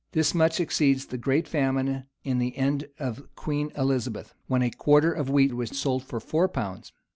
This much exceeds the great famine in the end of Queen Elizabeth, when a quarter of wheat was sold for four pounds.